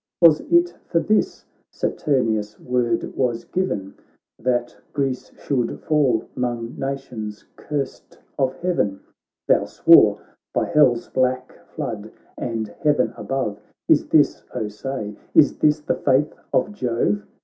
Was it for this Saturnius' word was given That Greece should fall 'mong nations curst of heaven ? Thou swore by hell's black flood, and heaven above ; Is this, oh say, is this the faith of Jove ?